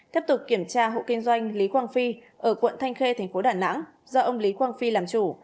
tiếp tục kiểm tra hộ kinh doanh lý quang phi ở quận thanh khê thành phố đà nẵng do ông lý quang phi làm chủ